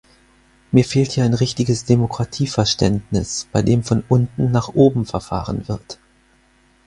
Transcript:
Mir fehlt hier ein richtiges Demokratieverständnis, bei dem von unten nach oben verfahren wird.